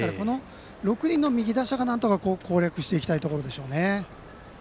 ６人の右打者がなんとか攻略していきたいところですよね。